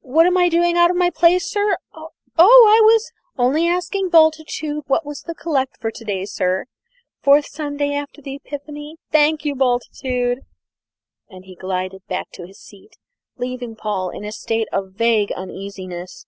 What am I doing out of my place, sir? Oh, I was only asking Bultitude what was the collect for to day, sir. Fourth Sunday after the Epiphany? thank you, Bultitude." And he glided back to his seat, leaving Paul in a state of vague uneasiness.